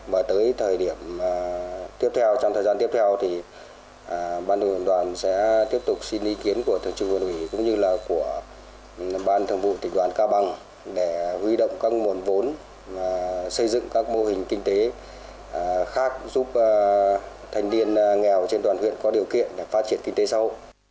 và tới thời điểm tiếp theo trong thời gian tiếp theo thì ban thượng đoàn sẽ tiếp tục xin ý kiến của thượng trưởng quân ủy cũng như là của ban thượng vụ tỉnh đoàn ca băng để huy động các nguồn vốn xây dựng các mô hình kinh tế khác giúp thanh niên nghèo trên đoàn huyện có điều kiện để phát triển kinh tế sau